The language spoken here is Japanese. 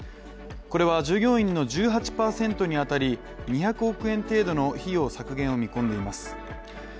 これは従業員の１８％に当たり、２００億円程度の費用削減を見込んでいます。